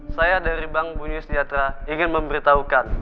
saya dari bank bunyusdiatra ingin memberitahukan